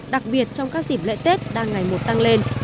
đặc biệt trong các dịp lễ tết đang ngày một tăng lên